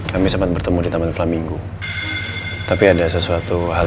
kami sempat bertemu di taman kelaminggu tapi ada sesuatu hal